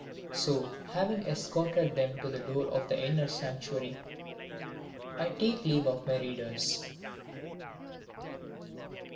So having escorted them to the door of the inner sanctuary I take leave of my readers.